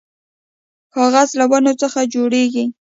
کاغذ له ونو څخه جوړیږي